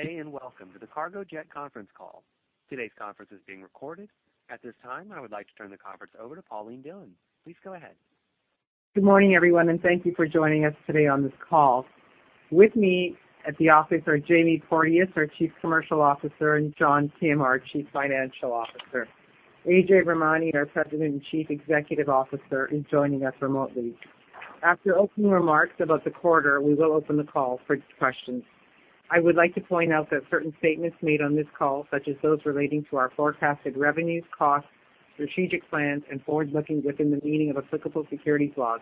Good day, welcome to the Cargojet conference call. Today's conference is being recorded. At this time, I would like to turn the conference over to Pauline Dhillon. Please go ahead. Good morning, everyone. Thank you for joining us today on this call. With me at the office are Jamie Porteous, our Chief Commercial Officer, and John Kim, our Chief Financial Officer. Ajay Virmani, our President and Chief Executive Officer, is joining us remotely. After opening remarks about the quarter, we will open the call for questions. I would like to point out that certain statements made on this call, such as those relating to our forecasted revenues, costs, strategic plans, and forward-looking within the meaning of applicable securities laws.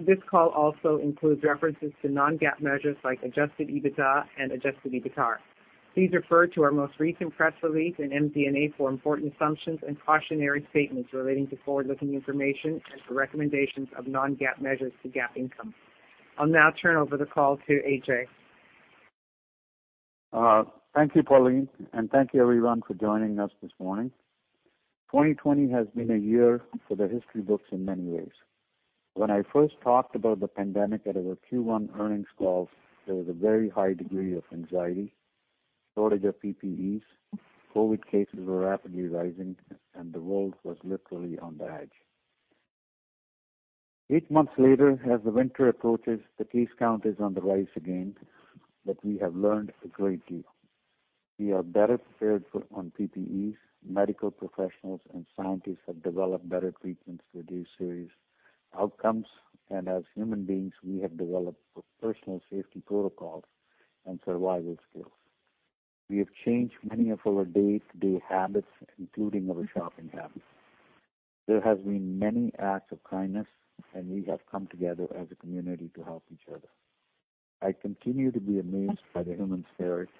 This call also includes references to non-GAAP measures like adjusted EBITDA and adjusted EBITDAR. Please refer to our most recent press release in MD&A for important assumptions and cautionary statements relating to forward-looking information and for recommendations of non-GAAP measures to GAAP income. I'll now turn over the call to Ajay. Thank you, Pauline, thank you, everyone, for joining us this morning. 2020 has been a year for the history books in many ways. When I first talked about the pandemic out of our Q1 earnings call, there was a very high degree of anxiety. Shortage of PPEs, COVID cases were rapidly rising, and the world was literally on the edge. Eight months later, as the winter approaches, the case count is on the rise again, but we have learned a great deal. We are better prepared on PPEs. Medical professionals and scientists have developed better treatments to reduce serious outcomes, and as human beings, we have developed personal safety protocols and survival skills. We have changed many of our day-to-day habits, including our shopping habits. There has been many acts of kindness, and we have come together as a community to help each other. I continue to be amazed by the human spirit,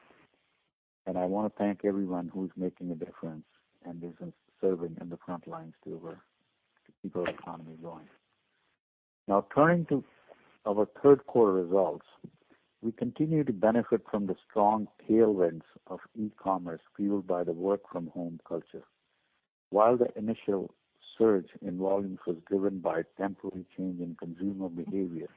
and I want to thank everyone who is making a difference and is serving in the front lines to keep our economy going. Now turning to our third quarter results. We continue to benefit from the strong tailwinds of e-commerce fueled by the work from home culture. While the initial surge in volumes was driven by a temporary change in consumer behavior,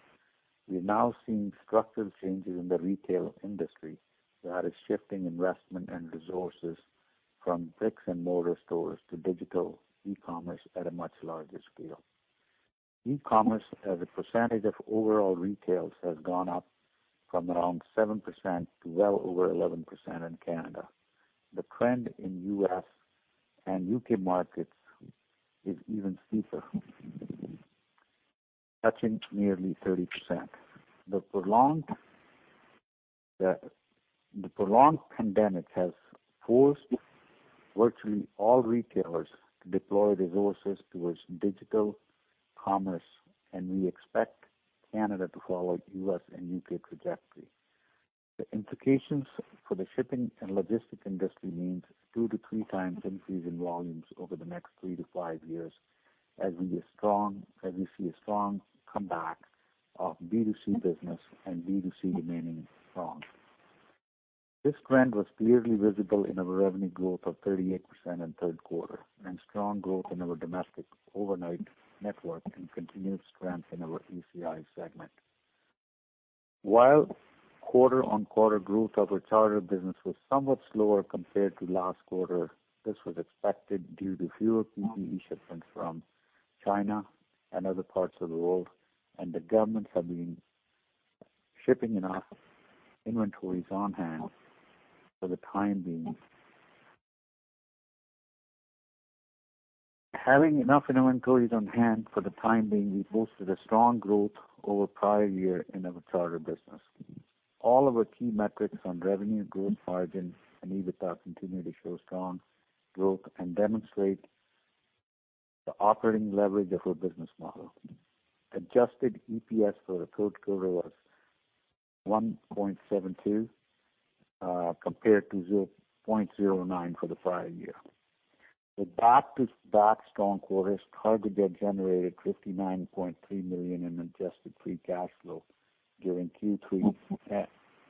we are now seeing structural changes in the retail industry that is shifting investment and resources from bricks and mortar stores to digital e-commerce at a much larger scale. E-commerce as a percentage of overall retails has gone up from around 7% to well over 11% in Canada. The trend in U.S. and U.K. markets is even steeper, touching nearly 30%. The prolonged pandemic has forced virtually all retailers to deploy resources towards digital commerce. We expect Canada to follow U.S. and U.K. trajectory. The implications for the shipping and logistics industry means two to three times increase in volumes over the next three to five years as we see a strong comeback of B2C business and B2C remaining strong. This trend was clearly visible in our revenue growth of 38% in the third quarter and strong growth in our domestic overnight network and continued strength in our ACMI segment. While quarter-on-quarter growth of our charter business was somewhat slower compared to last quarter, this was expected due to fewer PPE shipments from China and other parts of the world. The governments have been shipping enough inventories on hand for the time being. Having enough inventories on hand for the time being, we boasted a strong growth over prior year in our charter business. All of our key metrics on revenue growth margin and EBITDA continue to show strong growth and demonstrate the operating leverage of our business model. Adjusted EPS for the third quarter was 1.72, compared to 0.09 for the prior year. Back to back strong quarters, Cargojet generated 59.3 million in adjusted free cash flow during Q3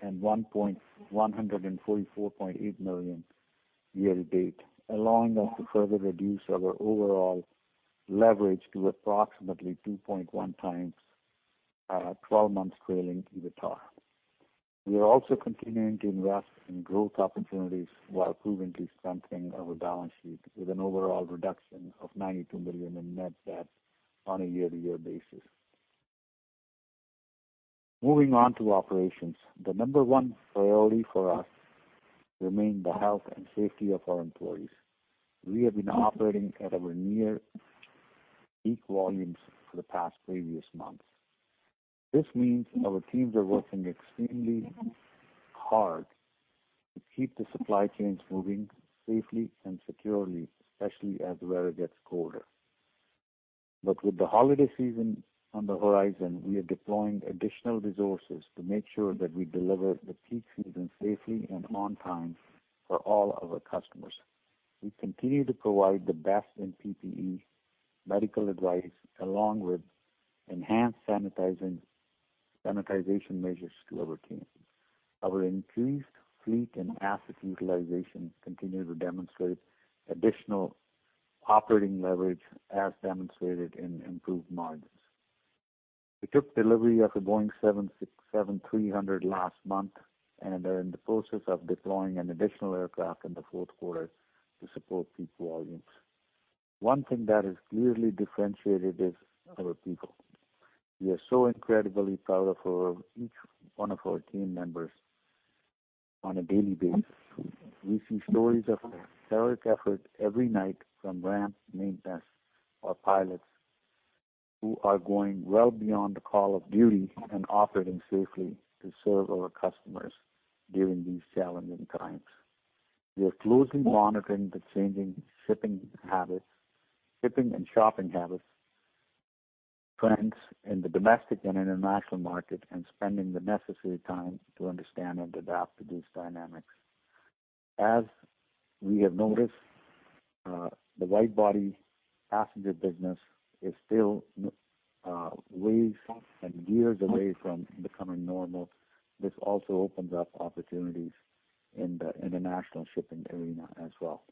and 144.8 million year to date, allowing us to further reduce our overall leverage to approximately 2.1x, 12 months trailing EBITDAR. We are also continuing to invest in growth opportunities while proven to strengthening our balance sheet with an overall reduction of 92 million in net debt on a year-to-year basis. Moving on to operations. The number one priority for us remain the health and safety of our employees. We have been operating at our near peak volumes for the past previous months. This means our teams are working extremely hard to keep the supply chains moving safely and securely, especially as the weather gets colder. With the holiday season on the horizon, we are deploying additional resources to make sure that we deliver the peak season safely and on time for all our customers. We continue to provide the best in PPE medical advice, along with enhanced sanitization measures to our teams. Our increased fleet and asset utilization continue to demonstrate additional operating leverage as demonstrated in improved margins. We took delivery of a Boeing 767-300 last month and are in the process of deploying an additional aircraft in the fourth quarter to support peak volumes. One thing that is clearly differentiated is our people. We are so incredibly proud of each one of our team members on a daily basis. We see stories of heroic effort every night from ramp, maintenance, our pilots who are going well beyond the call of duty and operating safely to serve our customers during these challenging times. We are closely monitoring the changing shipping and shopping habits, trends in the domestic and international market, and spending the necessary time to understand and adapt to these dynamics. As we have noticed, the wide-body passenger business is still weeks and years away from becoming normal. This also opens up opportunities in the international shipping arena as well.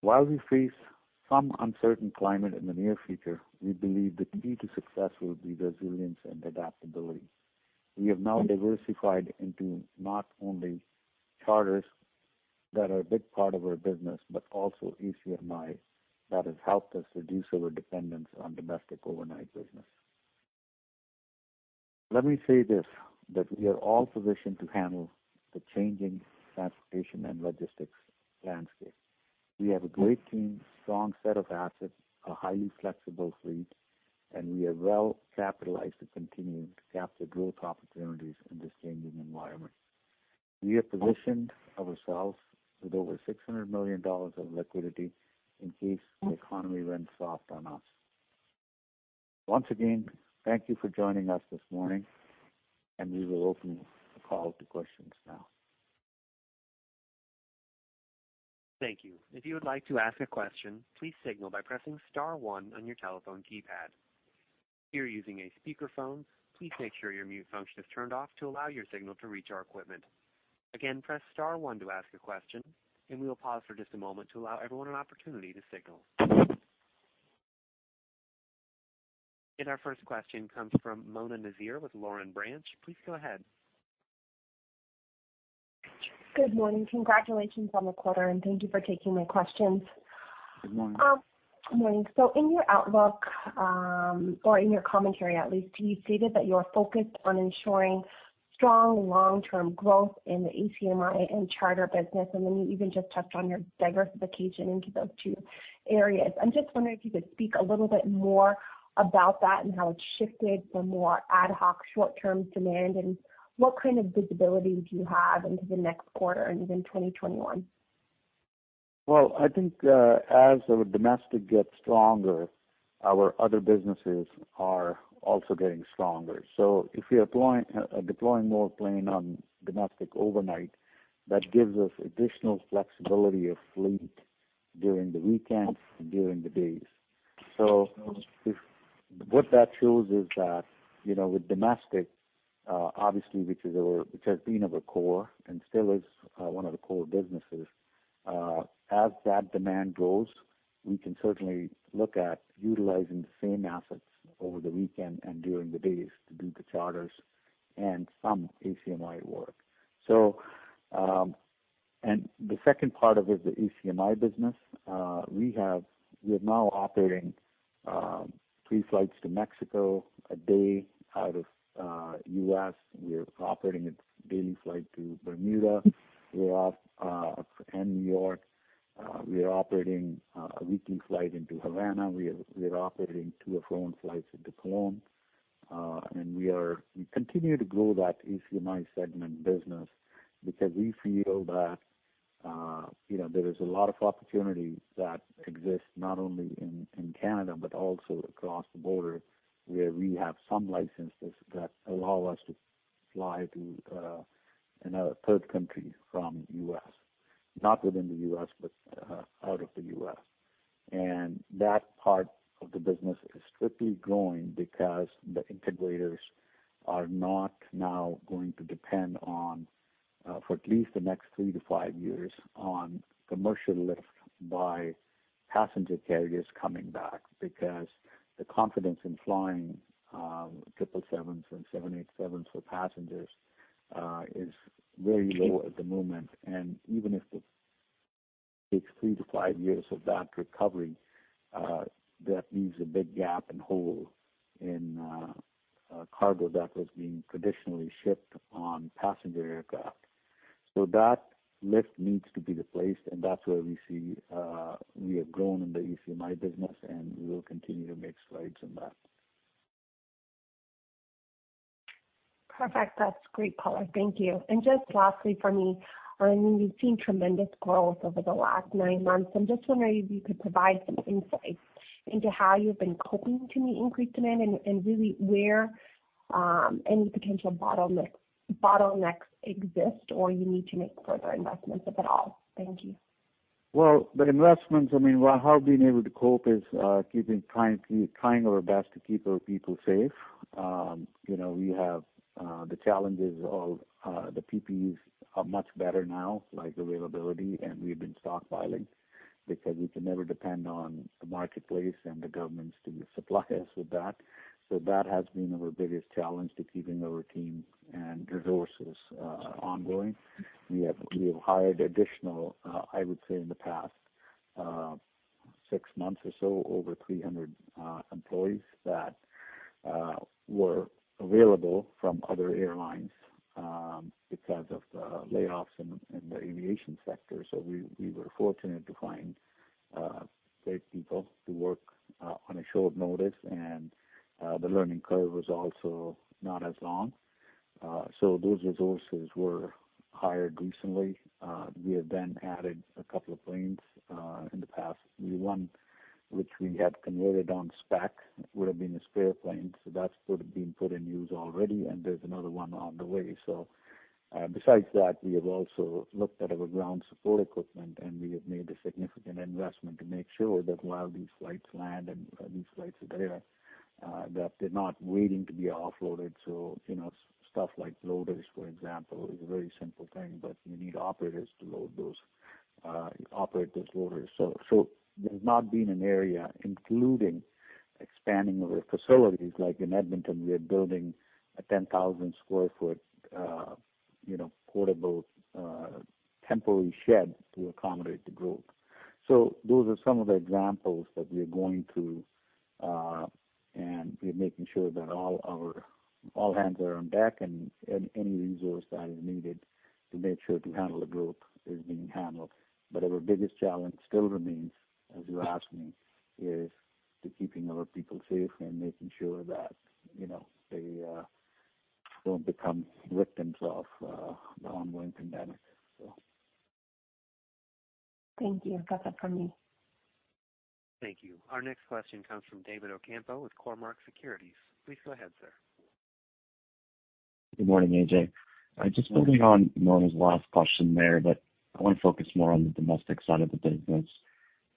While we face some uncertain climate in the near future, we believe the key to success will be resilience and adaptability. We have now diversified into not only charters, that are a big part of our business, but also ACMI, that has helped us reduce our dependence on domestic overnight business. Let me say this, that we are all positioned to handle the changing transportation and logistics landscape. We have a great team, strong set of assets, a highly flexible fleet, and we are well capitalized to continue to capture growth opportunities in this changing environment. We have positioned ourselves with over 600 million dollars of liquidity in case the economy runs soft on us. Once again, thank you for joining us this morning, and we will open the call to questions now. Thank you. If you would like to ask a question, please signal by pressing star one on your telephone keypad. If you are using a speakerphone, please make sure your mute function is turned off to allow your signal to reach our equipment. Again, press star one to ask a question, and we will pause for just a moment to allow everyone an opportunity to signal. Our first question comes from Mona Nazir with Laurentian Bank. Please go ahead. Good morning. Congratulations on the quarter. Thank you for taking my questions. Good morning. Morning. In your outlook, or in your commentary at least, you stated that you are focused on ensuring strong long-term growth in the ACMI and charter business, and then you even just touched on your diversification into those two areas. I'm just wondering if you could speak a little bit more about that and how it's shifted from more ad hoc short-term demand, and what kind of visibility do you have into the next quarter and even 2021? Well, I think, as our domestic gets stronger, our other businesses are also getting stronger. If we are deploying more plane on domestic overnight, that gives us additional flexibility of fleet during the weekends and during the days. What that shows is that with domestic, obviously, which has been our core and still is one of the core businesses. As that demand grows, we can certainly look at utilizing the same assets over the weekend and during the days to do the charters and some ACMI work. The second part of it, the ACMI business, we are now operating three flights to Mexico a day out of U.S. We are operating a daily flight to Bermuda and New York. We are operating a weekly flight into Havana. We are operating two or four flights into Cologne. We continue to grow that ACMI segment business because we feel that there is a lot of opportunity that exists not only in Canada but also across the border, where we have some licenses that allow us to fly to another third country from U.S. Not within the U.S., but out of the U.S. That part of the business is strictly growing because the integrators are not now going to depend on, for at least the next three to five years, on commercial lift by passenger carriers coming back. The confidence in flying 777s and 787s for passengers is very low at the moment. Even if it takes three to five years of that recovery, that leaves a big gap and hole in cargo that was being traditionally shipped on passenger aircraft. That lift needs to be replaced, and that's where we see we have grown in the ACMI business, and we will continue to make strides in that. Perfect. That's great color. Thank you. Just lastly from me, I mean, we've seen tremendous growth over the last nine months. I'm just wondering if you could provide some insight into how you've been coping to meet increased demand and really where any potential bottlenecks exist or you need to make further investments, if at all. Thank you. Well, the investments, I mean, how we've been able to cope is trying our best to keep our people safe. We have the challenges of the PPEs are much better now, like availability, and we've been stockpiling. We can never depend on the marketplace and the governments to supply us with that. That has been our biggest challenge to keeping our teams and resources ongoing. We have hired additional, I would say, in the past six months or so, over 300 employees that were available from other airlines because of the layoffs in the aviation sector. We were fortunate to find great people to work on a short notice, and the learning curve was also not as long. Those resources were hired recently. We have added a couple of planes in the past. We won, which we had converted on spec, would have been a spare plane, so that's been put in use already, and there's another one on the way. Besides that, we have also looked at our ground support equipment, and we have made a significant investment to make sure that while these flights land and these flights are there, that they're not waiting to be offloaded. Stuff like loaders, for example, is a very simple thing, but you need operators to load those, operate those loaders. There's not been an area, including expanding our facilities, like in Edmonton, we are building a 10,000 sq ft portable temporary shed to accommodate the growth. Those are some of the examples that we're going through, and we're making sure that all hands are on deck and any resource that is needed to make sure to handle the growth is being handled. Our biggest challenge still remains, as you asked me, is to keeping our people safe and making sure that they don't become victims of the ongoing pandemic. Thank you. That's it from me. Thank you. Our next question comes from David Ocampo with Cormark Securities. Please go ahead, sir. Good morning, Ajay. Good morning. Just building on Mona's last question there. I want to focus more on the domestic side of the business.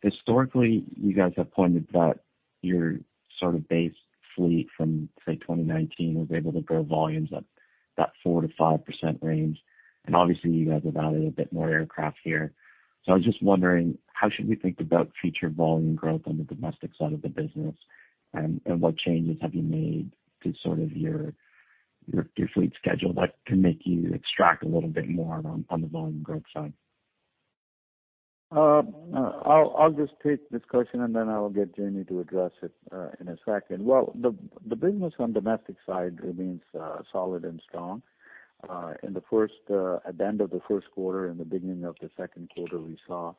Historically, you guys have pointed that your sort of base fleet from, say, 2019 was able to grow volumes up that 4%-5% range. Obviously, you guys have added a bit more aircraft here. I was just wondering, how should we think about future volume growth on the domestic side of the business, and what changes have you made to sort of your fleet schedule that can make you extract a little bit more on the volume growth side? I'll just take this question, and then I'll get Jamie to address it in a second. The business on domestic side remains solid and strong. At the end of the first quarter and the beginning of the second quarter, we saw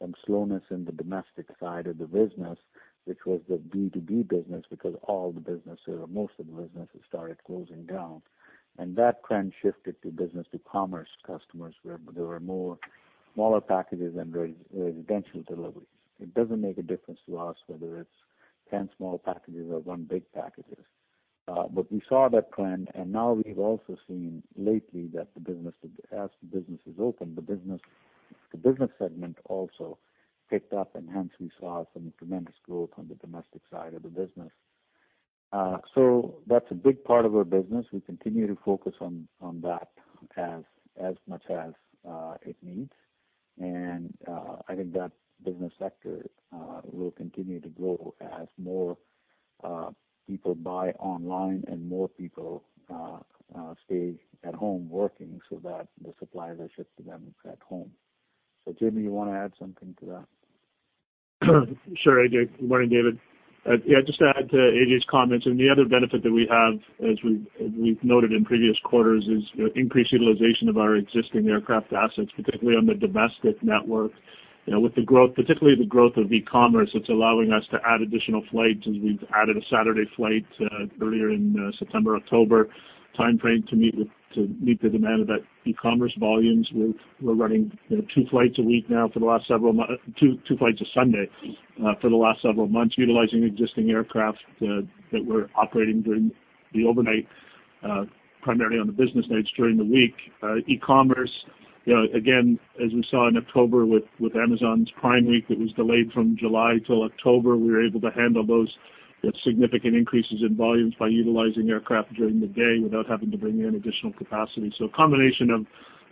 some slowness in the domestic side of the business, which was the B2B business because all the businesses, or most of the businesses, started closing down. That trend shifted to business to commerce customers, where there were more smaller packages and residential deliveries. It doesn't make a difference to us whether it's 10 small packages or one big packages. We saw that trend, and now we've also seen lately that as the businesses open, the business segment also picked up, and hence we saw some tremendous growth on the domestic side of the business. That's a big part of our business. We continue to focus on that as much as it needs. I think that business sector will continue to grow as more people buy online and more people stay at home working so that the supplies are shipped to them at home. Jamie, you want to add something to that? Sure, Ajay. Good morning, David. Yeah, just to add to Ajay's comments, the other benefit that we have, as we've noted in previous quarters, is increased utilization of our existing aircraft assets, particularly on the domestic network. With the growth, particularly the growth of e-commerce, it's allowing us to add additional flights as we've added a Saturday flight earlier in September, October timeframe to meet the demand of that e-commerce volumes. We're running two flights a week now for the last several months, two flights a Sunday for the last several months, utilizing existing aircraft that were operating during the overnight, primarily on the business nights during the week. E-commerce, again, as we saw in October with Amazon Prime week that was delayed from July till October, we were able to handle those significant increases in volumes by utilizing aircraft during the day without having to bring in additional capacity. A combination of,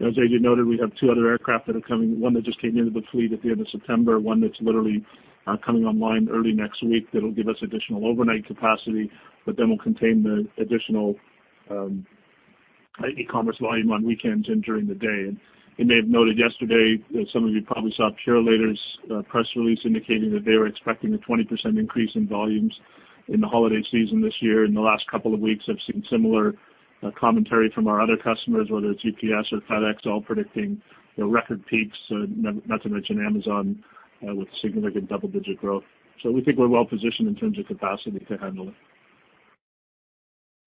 as Ajay noted, we have two other aircraft that are coming, one that just came into the fleet at the end of September, one that's literally coming online early next week that'll give us additional overnight capacity, but then will contain the additional e-commerce volume on weekends and during the day. May have noted yesterday, some of you probably saw Purolator's press release indicating that they were expecting a 20% increase in volumes in the holiday season this year. In the last couple of weeks, I've seen similar commentary from our other customers, whether it's UPS or FedEx, all predicting record peaks, not to mention Amazon with significant double-digit growth. We think we're well positioned in terms of capacity to handle it.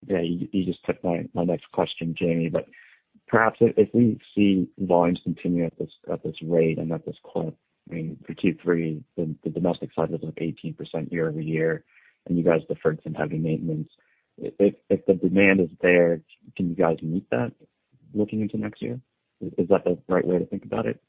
Yeah, you just took my next question, Jamie. Perhaps if we see volumes continue at this rate and at this clip, I mean, for Q3, the domestic side was up 18% year-over-year, and you guys deferred some heavy maintenance. If the demand is there, can you guys meet that looking into next year? Is that the right way to think about it?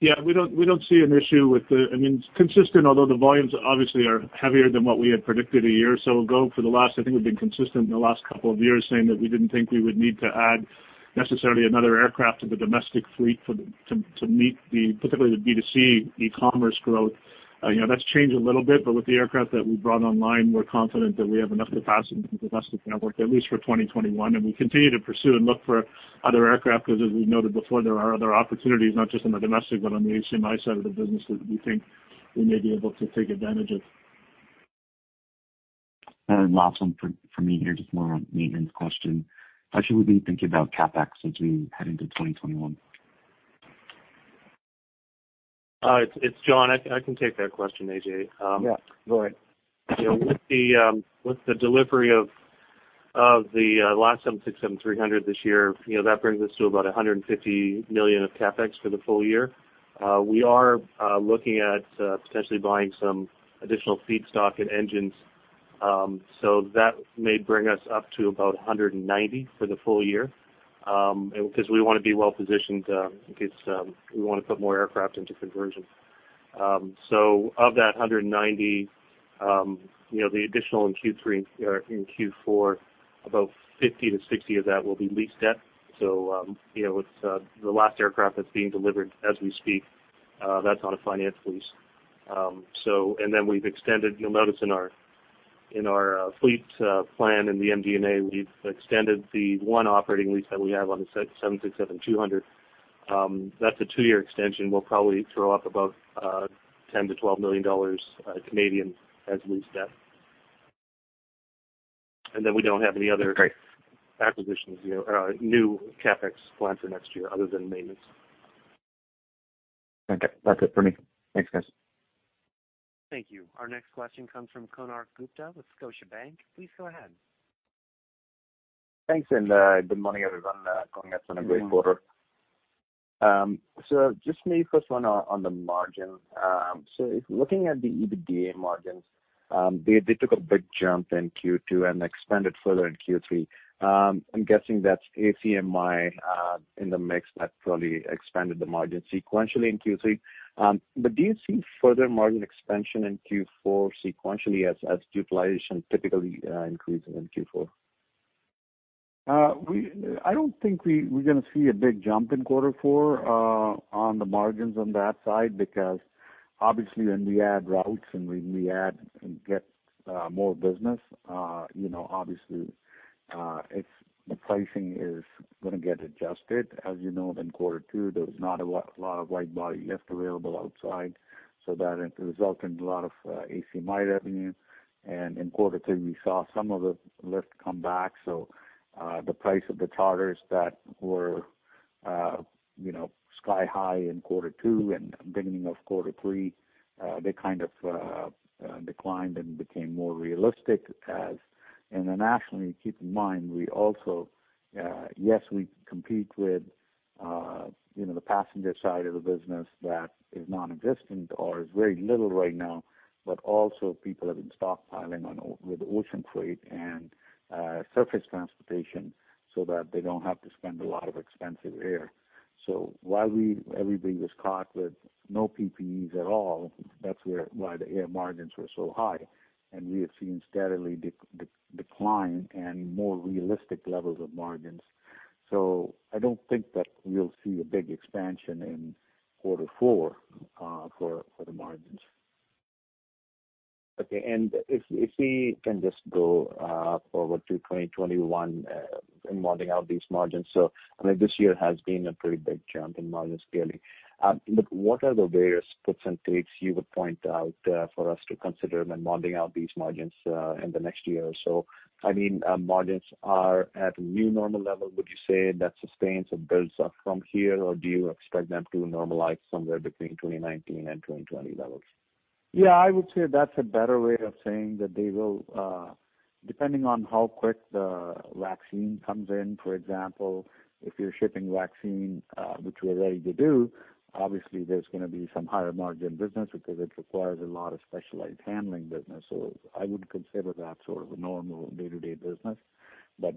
Yeah, we don't see an issue with the I mean, it's consistent, although the volumes obviously are heavier than what we had predicted a year or so ago for the last, I think we've been consistent in the last couple of years saying that we didn't think we would need to add. Necessarily another aircraft of the domestic fleet to meet particularly the B2C e-commerce growth. That's changed a little bit. With the aircraft that we brought online, we're confident that we have enough capacity in the domestic network, at least for 2021. We continue to pursue and look for other aircraft because as we noted before, there are other opportunities, not just on the domestic but on the ACMI side of the business that we think we may be able to take advantage of. Last one from me here, just more on maintenance question. How should we be thinking about CapEx as we head into 2021? It's John. I can take that question, Ajay. Yeah. Go ahead. With the delivery of the last 767-300 this year, that brings us to about 150 million of CapEx for the full year. We are looking at potentially buying some additional feedstock and engines. That may bring us up to about 190 million for the full year, because we want to be well positioned in case we want to put more aircraft into conversion. Of that 190 million, the additional in Q4, about 50 million-60 million of that will be lease debt. The last aircraft that's being delivered as we speak, that's on a finance lease. We've extended, you'll notice in our fleet plan in the MD&A, we've extended the one operating lease that we have on the 767-200. That's a two-year extension. We'll probably throw up above 10 million-12 million Canadian dollars as lease debt. We don't have any other acquisitions, new CapEx plan for next year other than maintenance. Okay. That's it for me. Thanks, guys. Thank you. Our next question comes from Konark Gupta with Scotiabank. Please go ahead. Thanks, good morning, everyone. Congratulations on great quarter. Just maybe first one on the margin. If looking at the EBITDA margins, they took a big jump in Q2 and expanded further in Q3. I'm guessing that's ACMI in the mix that probably expanded the margin sequentially in Q3. Do you see further margin expansion in Q4 sequentially as utilization typically increases in Q4? I don't think we're going to see a big jump in quarter four on the margins on that side because obviously when we add routes and we add and get more business, obviously, the pricing is going to get adjusted. As you know, in quarter two, there was not a lot of wide-body lift available outside, so that it result in a lot of ACMI revenue. In quarter three, we saw some of the lift come back. The price of the charters that were sky high in quarter two and beginning of quarter three, they kind of declined and became more realistic as internationally, keep in mind, we also, yes, we compete with the passenger side of the business that is non-existent or is very little right now, but also people have been stockpiling with ocean freight and surface transportation so that they don't have to spend a lot of expensive air. While everybody was caught with no PPEs at all, that's why the air margins were so high, and we have seen steadily decline and more realistic levels of margins. I don't think that we'll see a big expansion in quarter four for the margins. Okay. If we can just go forward to 2021 modeling out these margins. I mean, this year has been a pretty big jump in margins, clearly. What are the various puts and takes you would point out for us to consider when modeling out these margins in the next year or so? I mean, margins are at new normal level, would you say that sustains or builds up from here? Do you expect them to normalize somewhere between 2019 and 2020 levels? I would say that's a better way of saying that depending on how quick the vaccine comes in, for example, if you're shipping vaccine, which we're ready to do, obviously there's going to be some higher margin business because it requires a lot of specialized handling business. I would consider that sort of a normal day-to-day business.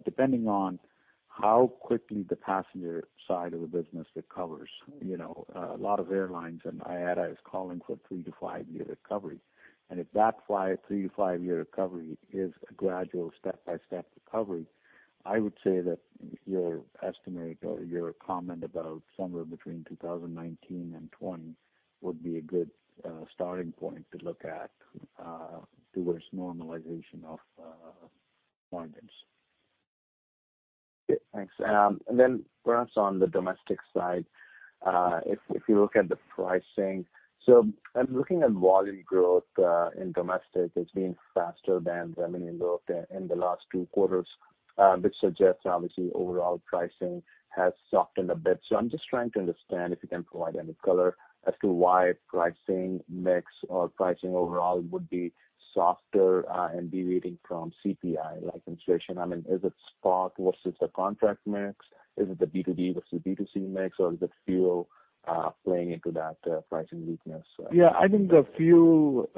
Depending on how quickly the passenger side of the business recovers. A lot of airlines, and IATA is calling for three to five year recovery. If that three to five year recovery is a gradual step-by-step recovery, I would say that your estimate or your comment about somewhere between 2019 and 2020 would be a good starting point to look at towards normalization of margins. Okay, thanks. Perhaps on the domestic side, if you look at the pricing. I'm looking at volume growth in domestic as being faster than revenue growth in the last two quarters, which suggests obviously overall pricing has softened a bit. I'm just trying to understand, if you can provide any color as to why pricing mix or pricing overall would be softer and deviating from CPI like inflation. I mean, is it spot versus a contract mix? Is it the B2B versus B2C mix, or is it fuel playing into that pricing weakness? Yeah, I think the fuel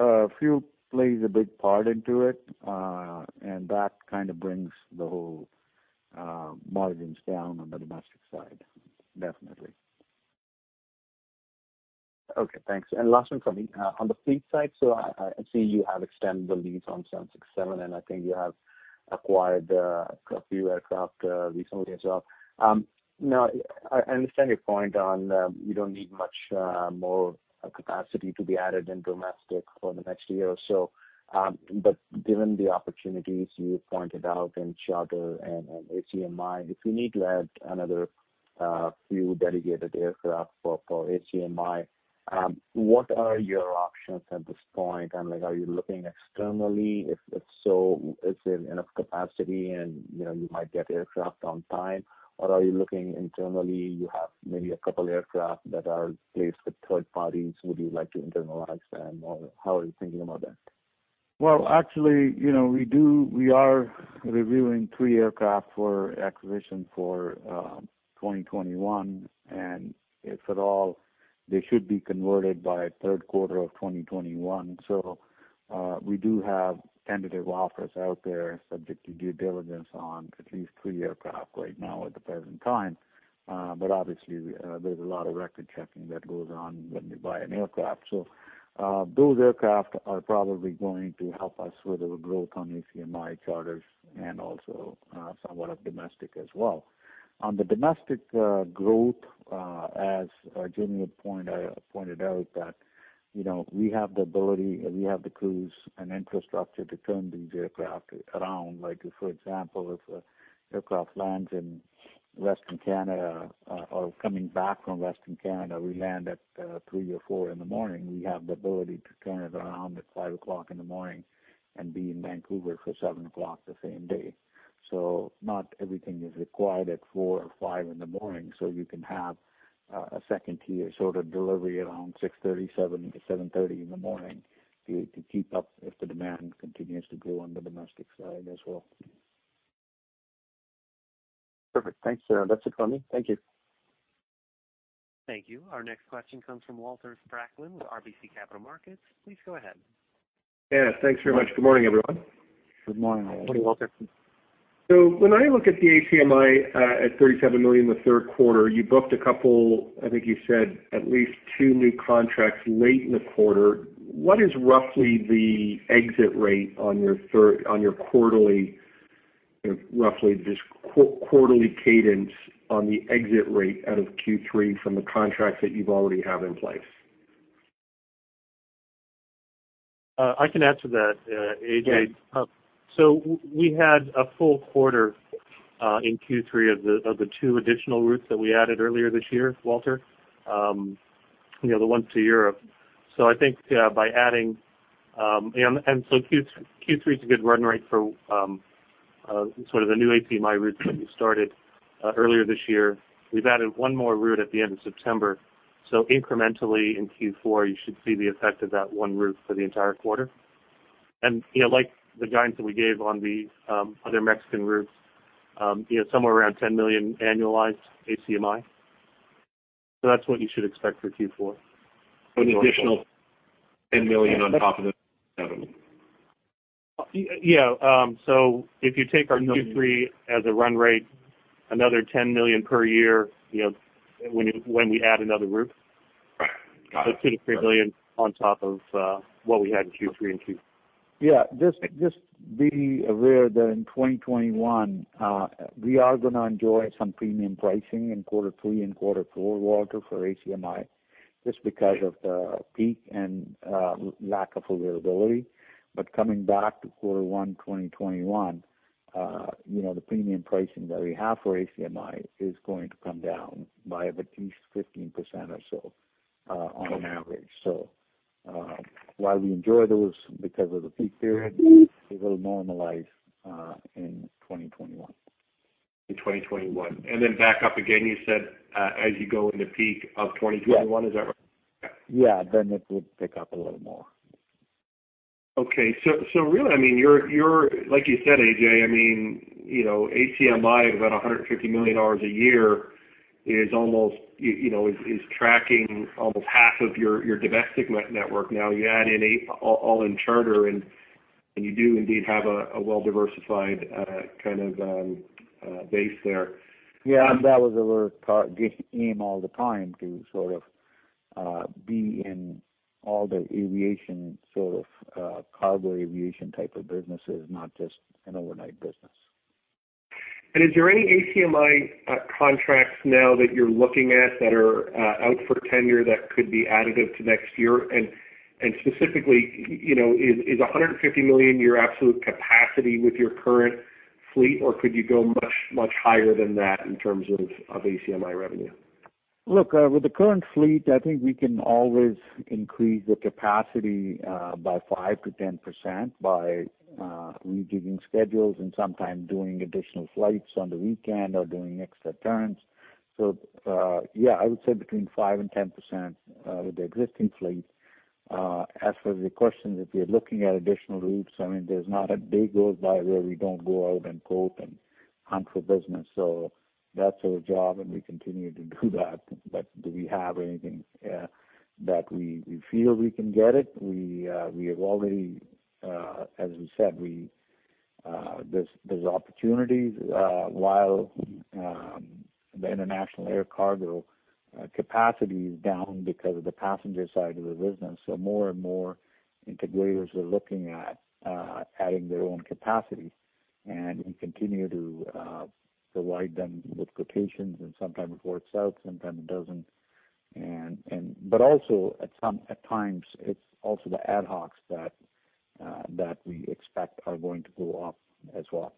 plays a big part into it. That kind of brings the whole margins down on the domestic side. Definitely. Okay, thanks. Last one from me. On the fleet side, I see you have extended the lease on 767, and I think you have acquired a few aircraft recently as well. I understand your point on you don't need much more capacity to be added in domestic for the next year or so. Given the opportunities you pointed out in charter and ACMI, if you need to add another few dedicated aircraft for ACMI, what are your options at this point? Are you looking externally? If so, is it enough capacity and you might get aircraft on time, or are you looking internally? You have maybe a couple aircraft that are placed with third parties. Would you like to internalize them, or how are you thinking about that? Well, actually, we are reviewing three aircraft for acquisition for 2021, and if at all, they should be converted by third quarter of 2021. We do have tentative offers out there subject to due diligence on at least three aircraft right now at the present time. Obviously, there's a lot of record-checking that goes on when you buy an aircraft. Those aircraft are probably going to help us with our growth on ACMI charters and also somewhat of domestic as well. On the domestic growth, as Jamie had pointed out that we have the ability, we have the crews and infrastructure to turn these aircraft around. Like for example, if aircraft lands in Western Canada or coming back from Western Canada, we land at 3:00 or 4:00 A.M. We have the ability to turn it around at 5:00 A.M. and be in Vancouver for 7:00 A.M. the same day. Not everything is required at 4:00 A.M. or 5:00 A.M. You can have a second-tier sort of delivery around 6:30 A.M., 7:00 A.M., 7:30 A.M. to keep up if the demand continues to grow on the domestic side as well. Perfect. Thanks. That's it from me. Thank you. Thank you. Our next question comes from Walter Spracklin with RBC Capital Markets. Please go ahead. Yeah, thanks very much. Good morning, everyone. Good morning, Walter. When I look at the ACMI at 37 million the third quarter, you booked a couple, I think you said at least two new contracts late in the quarter. What is roughly the exit rate on your quarterly, roughly this quarterly cadence on the exit rate out of Q3 from the contracts that you've already have in place? I can answer that, Ajay. Yeah. We had a full quarter in Q3 of the two additional routes that we added earlier this year, Walter, the ones to Europe. Q3 is a good run rate for sort of the new ACMI routes that we started earlier this year. We've added one more route at the end of September. Incrementally in Q4, you should see the effect of that one route for the entire quarter. Like the guidance that we gave on the other Mexican routes, somewhere around 10 million annualized ACMI. That's what you should expect for Q4. An additional CAD 10 million on top of the CAD 37 million. Yeah. If you take our Q3 as a run rate, another 10 million per year, when we add another route. Right. Got it. 2 million-3 million on top of what we had in Q3 and Q4. Just be aware that in 2021, we are going to enjoy some premium pricing in quarter three and quarter four, Walter, for ACMI, just because of the peak and lack of availability. Coming back to quarter one 2021, the premium pricing that we have for ACMI is going to come down by at least 15% or so on average. While we enjoy those because of the peak period, it will normalize in 2021. In 2021. Back up again, you said as you go in the peak of 2021, is that right? Yeah. It would pick up a little more. Really, like you said, Ajay, ACMI is about 150 million dollars a year is tracking almost half of your domestic network now. You add in all-in charter, you do indeed have a well-diversified kind of base there. Yeah. That was our game all the time to sort of be in all the cargo aviation type of businesses, not just an overnight business. Is there any ACMI contracts now that you're looking at that are out for tenure that could be additive to next year? Specifically, is 150 million your absolute capacity with your current fleet, or could you go much, much higher than that in terms of ACMI revenue? Look, with the current fleet, I think we can always increase the capacity by 5%-10% by rejigging schedules and sometimes doing additional flights on the weekend or doing extra turns. Yeah, I would say between 5% and 10% with the existing fleet. As for the question, if we are looking at additional routes, there's not a day goes by where we don't go out and quote and hunt for business. That's our job, and we continue to do that. Do we have anything that we feel we can get it? As we said, we there's opportunities while the international air cargo capacity is down because of the passenger side of the business. More and integrators are looking at adding their own capacity, and we continue to provide them with quotations, and sometimes it works out, sometimes it doesn't. Also at times, it's also the ad hocs that we expect are going to go up as well.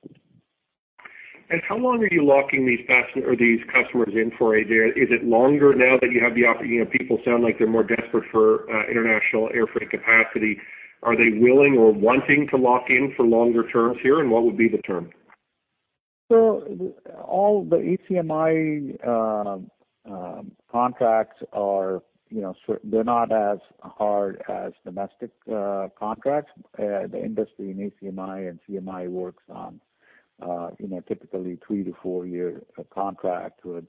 How long are you locking these customers in for, Ajay? Is it longer now that you have people sound like they're more desperate for international airfreight capacity. Are they willing or wanting to lock in for longer terms here, and what would be the term? All the ACMI contracts are not as hard as domestic contracts. The industry in ACMI and CMI works on typically a three to four year contract would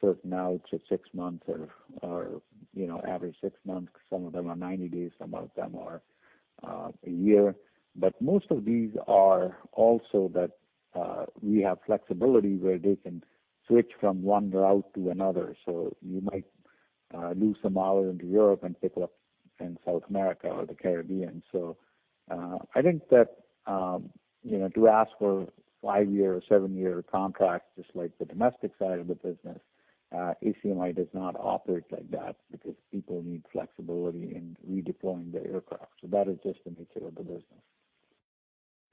sort now to six months or average six months. Some of them are 90 days, some of them are one year. Most of these are also that we have flexibility where they can switch from one route to another. You might lose some hour into Europe and pick up in South America or the Caribbean. I think that to ask for five year or seven year contracts, just like the domestic side of the business, ACMI does not operate like that because people need flexibility in redeploying the aircraft. That is just the nature of the business.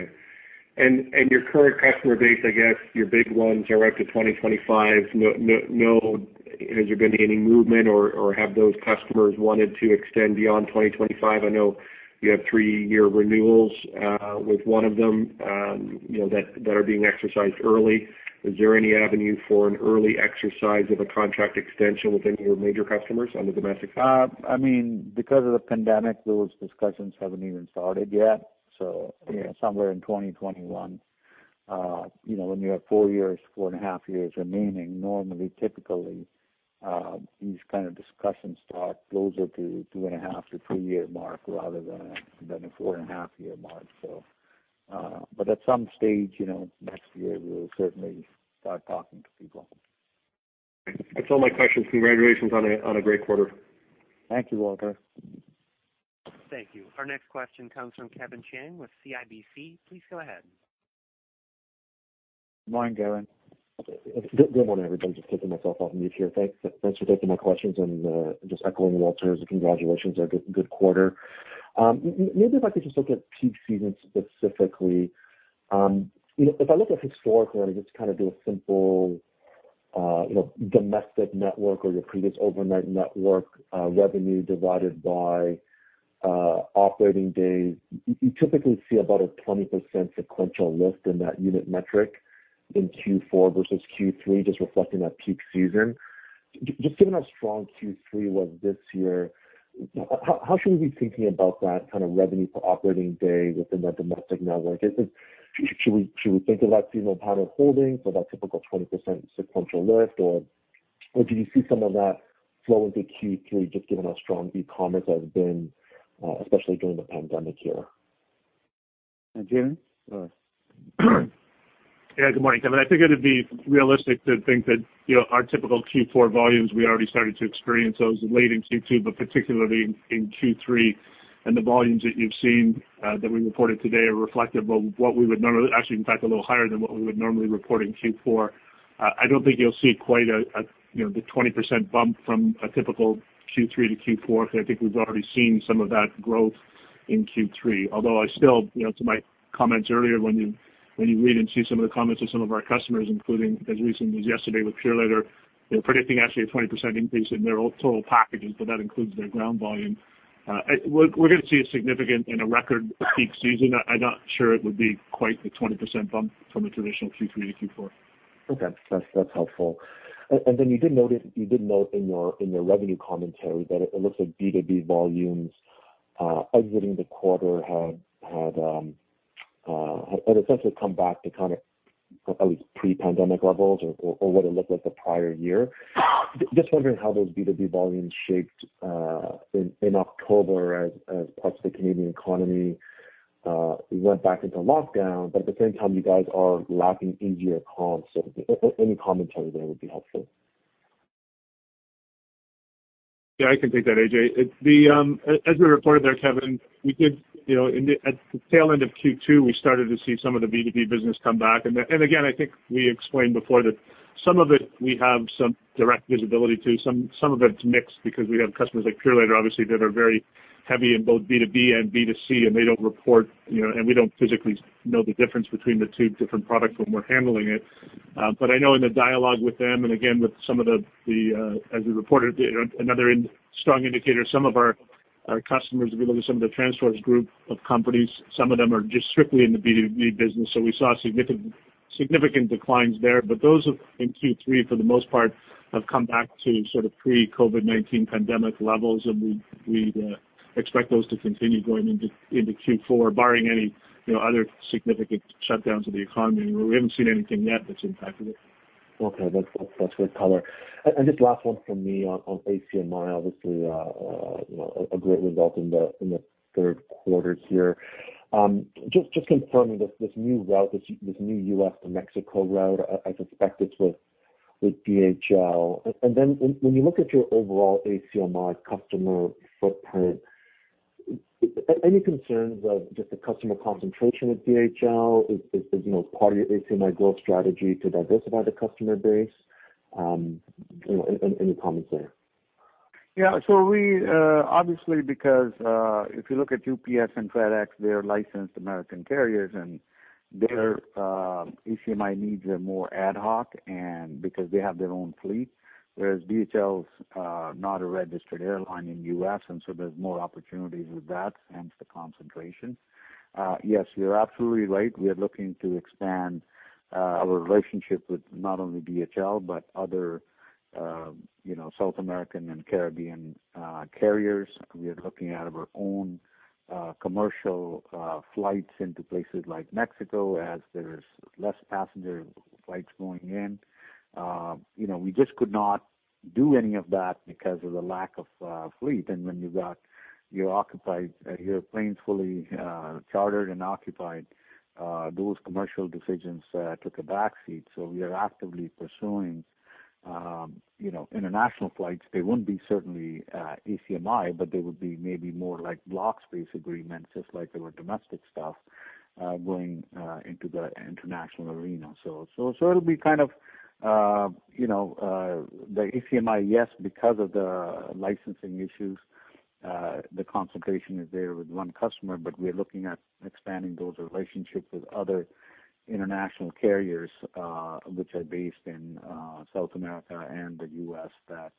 Okay. Your current customer base, I guess your big ones are out to 2025. Has there been any movement, or have those customers wanted to extend beyond 2025? I know you have three-year renewals with one of them that are being exercised early. Is there any avenue for an early exercise of a contract extension within your major customers on the domestic side? Because of the pandemic, those discussions haven't even started yet. Somewhere in 2021. When you have four years, four and a half years remaining, normally, typically, these kind of discussions start closer to two and a half to three-year mark rather than a four-and-a-half-year mark. At some stage, next year, we'll certainly start talking to people. That's all my questions. Congratulations on a great quarter. Thank you, Walter. Thank you. Our next question comes from Kevin Chiang with CIBC. Please go ahead. Good morning, Kevin. Good morning, everybody. Just taking myself off mute here. Thanks for taking my questions, and just echoing Walter's congratulations on a good quarter. Maybe if I could just look at peak season specifically. If I look at historically, just kind of do a simple domestic network or your previous overnight network revenue divided by operating days, you typically see about a 20% sequential lift in that unit metric in Q4 versus Q3, just reflecting that peak season. Just given how strong Q3 was this year, how should we be thinking about that kind of revenue per operating day within that domestic network? Should we think of that seasonal pattern holding, so that typical 20% sequential lift, or do you see some of that flow into Q3 just given how strong e-commerce has been, especially during the pandemic year? Jamie? Good morning, Kevin. I think it would be realistic to think that our typical Q4 volumes we already started to experience those late in Q2 but particularly in Q3. The volumes that you've seen that we reported today are reflective of what we would normally actually, in fact, a little higher than what we would normally report in Q4. I don't think you'll see quite the 20% bump from a typical Q3 to Q4 because I think we've already seen some of that growth in Q3. I still, to my comments earlier, when you read and see some of the comments of some of our customers, including as recent as yesterday with Purolator, they're predicting actually a 20% increase in their total packages, but that includes their ground volume. We're going to see a significant and a record peak season. I'm not sure it would be quite the 20% bump from a traditional Q3 to Q4. Okay. That's helpful. Then you did note in your revenue commentary that it looks like B2B volumes exiting the quarter had essentially come back to kind of at least pre-pandemic levels or what it looked like the prior year. Just wondering how those B2B volumes shaped in October as parts of the Canadian economy went back into lockdown. At the same time, you guys are lacking in your accounts, so any commentary there would be helpful. Yeah, I can take that, Ajay. As we reported there, Kevin, at the tail end of Q2, we started to see some of the B2B business come back. Again, I think we explained before that some of it we have some direct visibility to. Some of it's mixed because we have customers like Purolator, obviously, that are very heavy in both B2B and B2C, and they don't report, and we don't physically know the difference between the two different products when we're handling it. I know in the dialogue with them, and again, as we reported, another strong indicator, some of our customers, if you look at some of the TransForce Group of companies, some of them are just strictly in the B2B business. We saw significant declines there. Those in Q3, for the most part, have come back to sort of pre-COVID-19 pandemic levels, and we expect those to continue going into Q4, barring any other significant shutdowns of the economy. We haven't seen anything yet that's impacted it. Okay. That's good color. Just last one from me on ACMI. Obviously, a great result in the third quarter here. Just confirming this new route, this new U.S. to Mexico route, I suspect it's with DHL. When you look at your overall ACMI customer footprint, any concerns of just the customer concentration with DHL? Is part of your ACMI growth strategy to diversify the customer base? Any comments there? Obviously because if you look at UPS and FedEx, they're licensed American carriers, and their ACMI needs are more ad hoc and because they have their own fleet, whereas DHL's not a registered airline in U.S., and so there's more opportunities with that, hence the concentration. Yes, you're absolutely right. We are looking to expand our relationship with not only DHL, but other South American and Caribbean carriers. We are looking out of our own commercial flights into places like Mexico as there's less passenger flights going in. We just could not do any of that because of the lack of fleet. When you're occupied, your plane's fully chartered and occupied, those commercial decisions took a back seat. We are actively pursuing international flights. They wouldn't be certainly ACMI, but they would be maybe more like block space agreements, just like they were domestic stuff, going into the international arena. It'll be kind of the ACMI, yes, because of the licensing issues, the concentration is there with one customer, but we are looking at expanding those relationships with other international carriers, which are based in South America and the U.S. that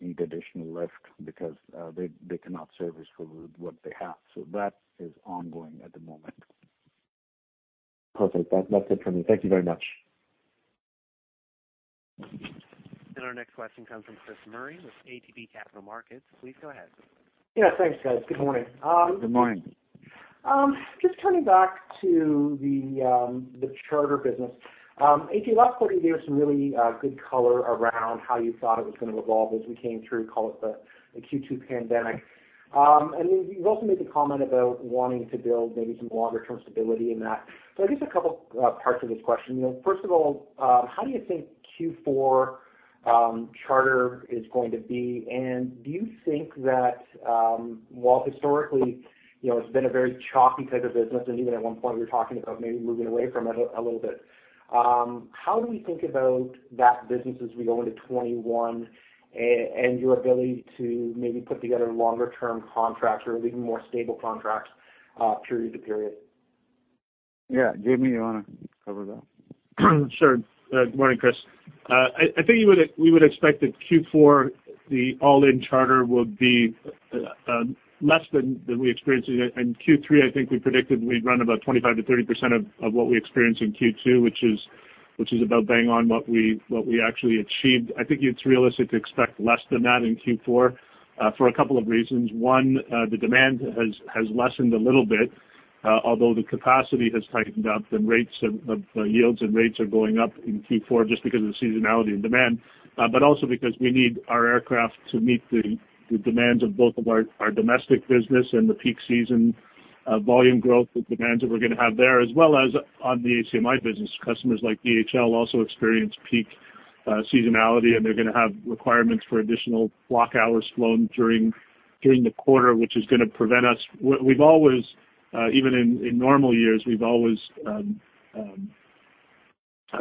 need additional lift because they cannot service with what they have. That is ongoing at the moment. Perfect. That's it from me. Thank you very much. Our next question comes from Chris Murray with ATB Capital Markets. Please go ahead. Yeah, thanks guys. Good morning. Good morning. Just turning back to the charter business. Ajay, last quarter, you gave some really good color around how you thought it was going to evolve as we came through, call it the Q2 pandemic. You've also made the comment about wanting to build maybe some longer term stability in that. I guess a couple parts of this question. First of all, how do you think Q4 charter is going to be? Do you think that while historically, it's been a very choppy type of business, and even at one point you were talking about maybe moving away from it a little bit? How do we think about that business as we go into 2021 and your ability to maybe put together longer term contracts or even more stable contracts period to period? Yeah. Jamie, you want to cover that? Sure. Morning, Chris. I think we would expect that Q4, the all-in charter will be less than we experienced in Q3. I think we predicted we'd run about 25%-30% of what we experienced in Q2, which is about bang on what we actually achieved. I think it's realistic to expect less than that in Q4, for a couple of reasons. One, the demand has lessened a little bit, although the capacity has tightened up and yields and rates are going up in Q4 just because of the seasonality and demand. Also because we need our aircraft to meet the demands of both of our domestic business and the peak season volume growth, the demands that we're going to have there, as well as on the ACMI business. Customers like DHL also experience peak seasonality. They're going to have requirements for additional block hours flown during the quarter. We've always, even in normal years, we've always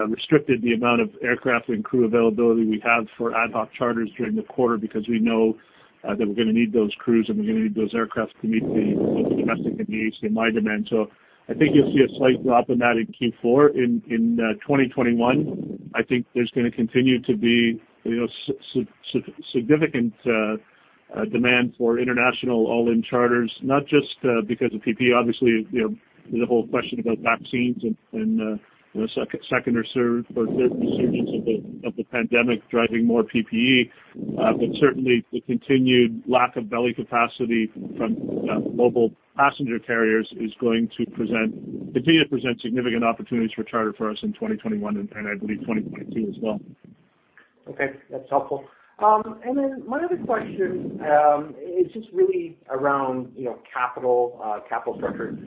restricted the amount of aircraft and crew availability we have for ad hoc charters during the quarter because we know that we're going to need those crews and we're going to need those aircraft to meet the domestic and the ACMI demand. I think you'll see a slight drop in that in Q4. In 2021, I think there's going to continue to be significant demand for international all-in charters, not just because of PPE, obviously, the whole question about vaccines and the second or third resurgence of the pandemic driving more PPE. Certainly the continued lack of belly capacity from global passenger carriers is going to continue to present significant opportunities for charter for us in 2021 and I believe 2022 as well. Okay, that's helpful. My other question is just really around capital structure.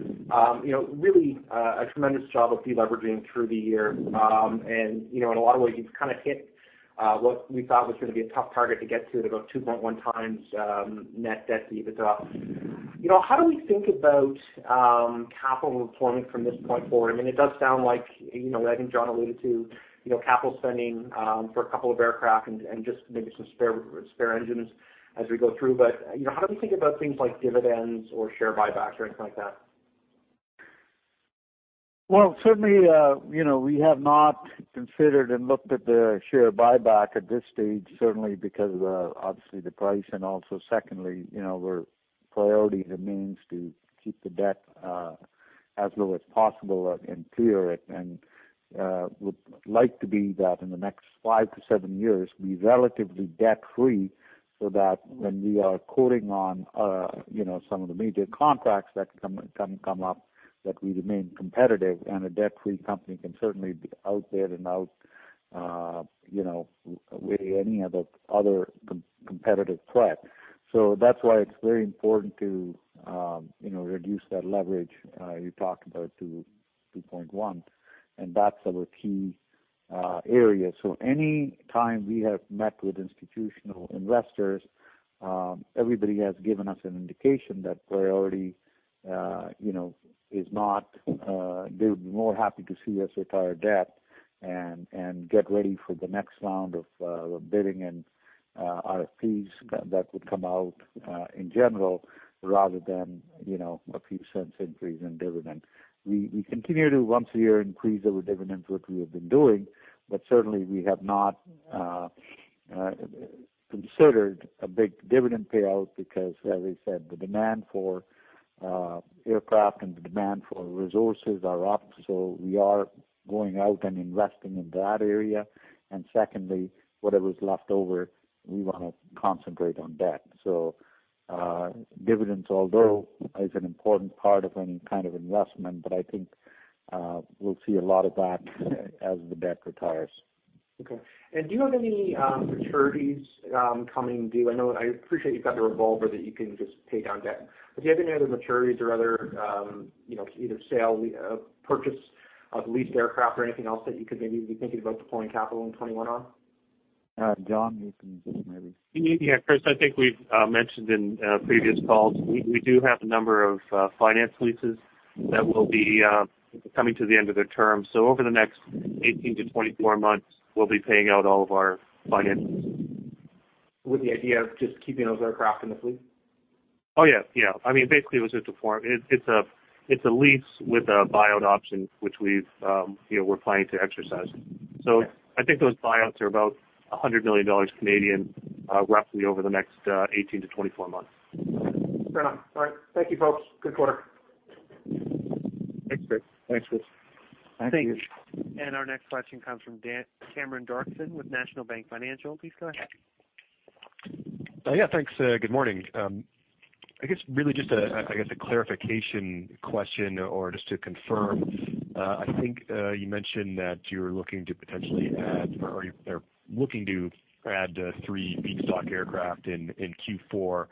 Really a tremendous job of de-leveraging through the year. In a lot of ways, you've hit what we thought was going to be a tough target to get to, at about 2.1x net debt to EBITDA. How do we think about capital deployment from this point forward? I mean, it does sound like, I think John alluded to capital spending for a couple of aircraft and just maybe some spare engines as we go through. How do we think about things like dividends or share buybacks or anything like that? Well, certainly, we have not considered and looked at the share buyback at this stage, certainly because of obviously the price and also secondly, our priority remains to keep the debt as low as possible and clear it, and would like to be that in the next five to seven years, be relatively debt free so that when we are quoting on some of the major contracts that can come up, that we remain competitive. A debt free company can certainly be out there and out with any other competitive threat. That's why it's very important to reduce that leverage you talked about to 2.1x, and that's our key area. Any time we have met with institutional investors, everybody has given us an indication that they would be more happy to see us retire debt and get ready for the next round of bidding and RFPs that would come out, in general, rather than a few cents increase in dividend. We continue to, once a year, increase our dividends, which we have been doing, but certainly we have not considered a big dividend payout because, as I said, the demand for aircraft and the demand for resources are up. We are going out and investing in that area. Secondly, whatever's left over, we want to concentrate on debt. Dividends, although is an important part of any kind of investment, but I think we'll see a lot of that as the debt retires. Okay. Do you have any maturities coming due? I appreciate you've got the revolver that you can just pay down debt. Do you have any other maturities or other, either sale, purchase of leased aircraft or anything else that you could maybe be thinking about deploying capital in 2021 on? John, you can take this maybe. Yeah, Chris, I think we've mentioned in previous calls, we do have a number of finance leases that will be coming to the end of their term. Over the next 18-24 months, we'll be paying out all of our finances. With the idea of just keeping those aircraft in the fleet? Oh, yeah. Basically, it was just a form. It's a lease with a buy-out option, which we're planning to exercise. Okay. I think those buyouts are about 100 million Canadian dollars, roughly over the next 18-24 months. Fair enough. All right. Thank you, folks. Good quarter. Thanks, Chris. Thanks, Chris. Thank you. Our next question comes from Cameron Doerksen with National Bank Financial. Please go ahead. Yeah, thanks. Good morning. Really just, I guess, a clarification question or just to confirm. I think you mentioned that you're looking to potentially add three feedstock aircraft in Q4.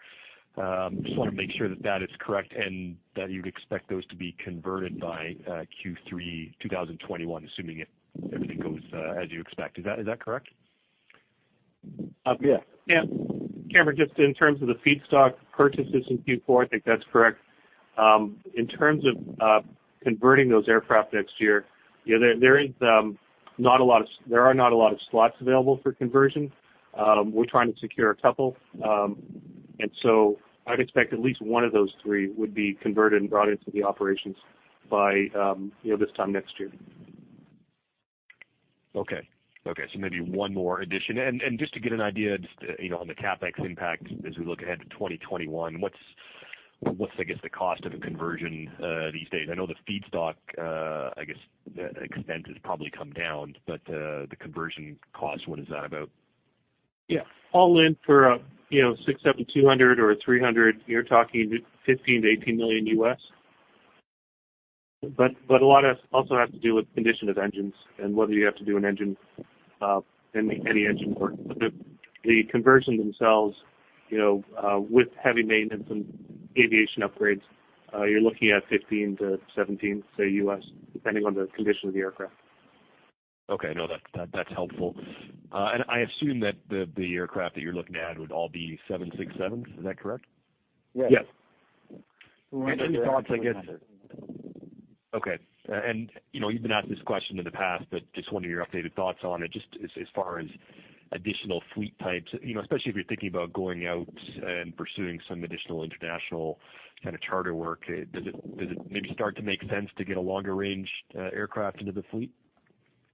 Just want to make sure that is correct and that you'd expect those to be converted by Q3 2021, assuming everything goes as you expect. Is that correct? Yes. Yeah. Cameron, just in terms of the feedstock purchases in Q4, I think that's correct. In terms of converting those aircraft next year, there are not a lot of slots available for conversion. We're trying to secure a couple. I'd expect at least one of those three would be converted and brought into the operations by this time next year. Okay. Maybe one more addition. Just to get an idea just on the CapEx impact as we look ahead to 2021. What's, I guess, the cost of a conversion these days? I know the feedstock, I guess, expense has probably come down, but the conversion cost, what is that about? Yeah. All in for 767-200 or a 300, you're talking $15 million-$18 million. A lot also has to do with condition of engines and whether you have to do any engine work. The conversion themselves, with heavy maintenance and aviation upgrades, you're looking at $15 million-$17 million, say, depending on the condition of the aircraft. Okay, no, that's helpful. I assume that the aircraft that you're looking at would all be 767s. Is that correct? Yes. Yes. We want to get the 767s. Okay. You've been asked this question in the past, but just wondering your updated thoughts on it, just as far as additional fleet types, especially if you're thinking about going out and pursuing some additional international kind of charter work. Does it maybe start to make sense to get a longer range aircraft into the fleet?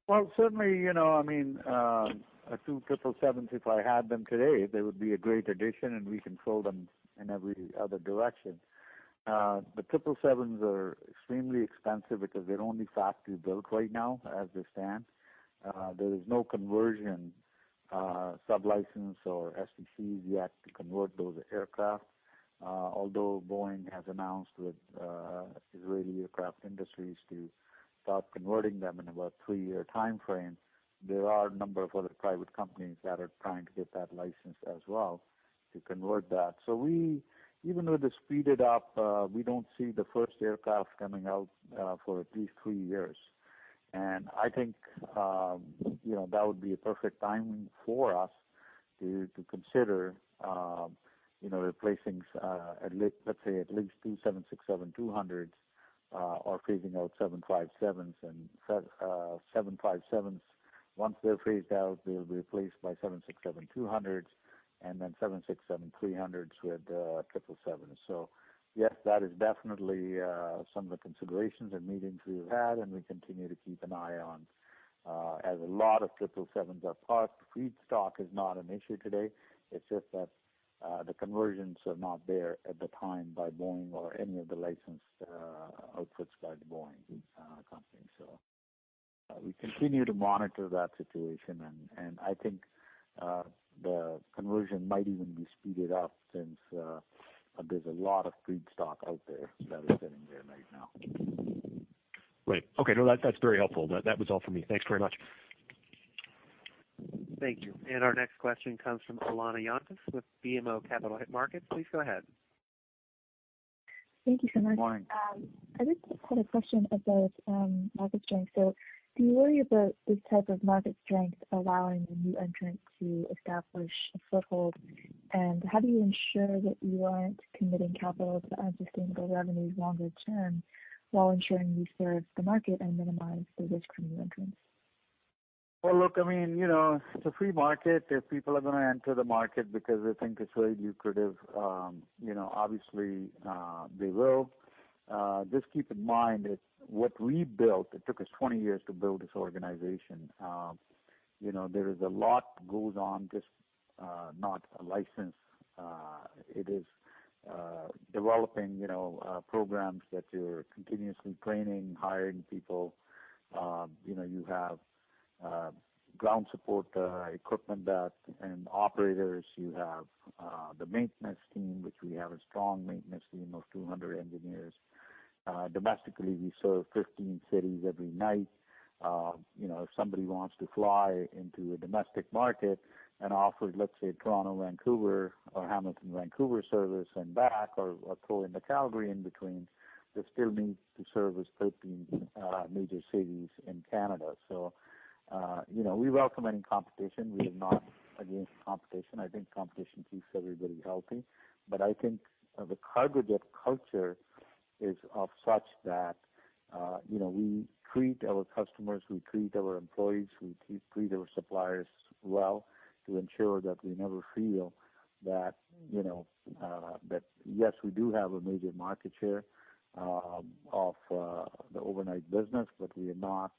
Well, certainly, I assume 777s, if I had them today, they would be a great addition and we can throw them in every other direction. 777s are extremely expensive because they're only factory built right now as they stand. There is no conversion sub-license or STCs yet to convert those aircraft. Boeing has announced with Israel Aerospace Industries to start converting them in about three-year timeframe, there are a number of other private companies that are trying to get that license as well to convert that. Even with the speed it up, we don't see the first aircraft coming out for at least three years. I think that would be a perfect timing for us to consider replacing, let's say at least two 767-200s, or phasing out 757s. 757s, once they're phased out, they'll be replaced by 767-200s, and then 767-300s with 777s. Yes, that is definitely some of the considerations and meetings we have had, and we continue to keep an eye on. As a lot of 777s are parked, feedstock is not an issue today. It's just that the conversions are not there at the time by Boeing or any of the licensed outputs by the Boeing company. We continue to monitor that situation, and I think the conversion might even be speeded up since there's a lot of feedstock out there that is sitting there right now. Great. Okay. No, that's very helpful. That was all for me. Thanks very much. Thank you. Our next question comes from [Fadi Chamoun] with BMO Capital Markets. Please go ahead. Thank you so much. Good morning. I just had a question about market strength. Do you worry about this type of market strength allowing a new entrant to establish a foothold? How do you ensure that you aren't committing capital to unsustainable revenues longer term while ensuring you serve the market and minimize the risk from new entrants? Well, look, it's a free market. If people are going to enter the market because they think it's very lucrative, obviously, they will. Just keep in mind that what we built, it took us 20 years to build this organization. There is a lot goes on, just not a license. It is developing programs that you're continuously training, hiring people. You have ground support equipment and operators. You have the maintenance team, which we have a strong maintenance team of 200 engineers. Domestically, we serve 15 cities every night. If somebody wants to fly into a domestic market and offer, let's say, Toronto, Vancouver, or Hamilton, Vancouver service and back, or throw into Calgary in between, they still need to service 13 major cities in Canada. We welcome any competition. We are not against competition. I think competition keeps everybody healthy. I think the Cargojet culture is of such that we treat our customers, we treat our employees, we treat our suppliers well to ensure that we never feel that, yes, we do have a major market share of the overnight business, but we are not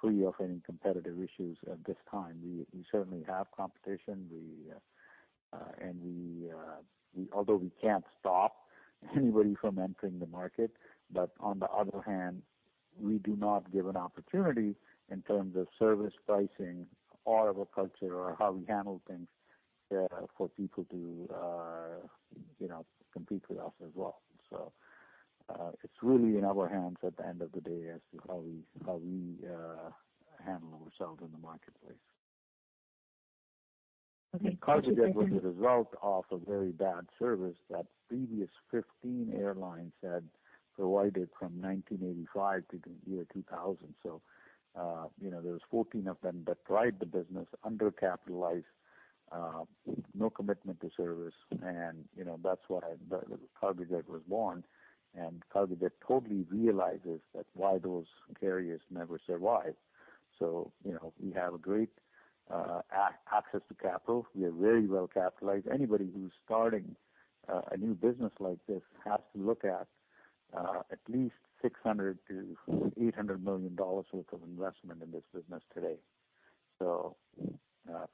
free of any competitive issues at this time. We certainly have competition. We can't stop anybody from entering the market, but on the other hand, we do not give an opportunity in terms of service pricing or of a culture or how we handle things for people to compete with us as well. It's really in our hands at the end of the day as to how we handle ourselves in the marketplace. Okay. Cargojet was a result of a very bad service that previous 15 airlines had provided from 1985 to the year 2000. There was 14 of them that tried the business, undercapitalized, no commitment to service. That's why Cargojet was born. Cargojet totally realizes that why those carriers never survived. We have a great access to capital. We are very well capitalized. Anybody who's starting a new business like this has to look at at least 600 million-800 million dollars worth of investment in this business today.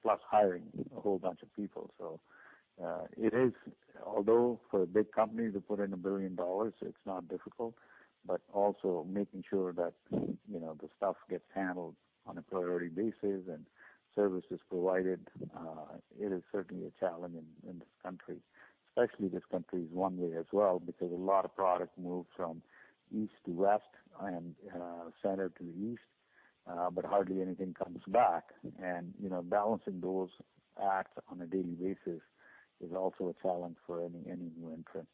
Plus hiring a whole bunch of people. Although for a big company to put in 1 billion dollars, it's not difficult, but also making sure that the stuff gets handled on a priority basis and service is provided. It is certainly a challenge in this country, especially this country is one way as well because a lot of product moves from east to west and center to the east, but hardly anything comes back. Balancing those acts on a daily basis is also a challenge for any new entrant.